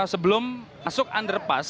jalan sebelum masuk underpass